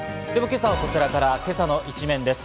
今朝はこちらから今朝の一面です。